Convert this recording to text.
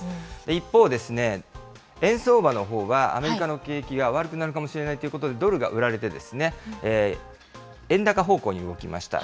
一方、円相場のほうはアメリカの景気が悪くなるかもしれないということで、ドルが売られて、円高方向に動きました。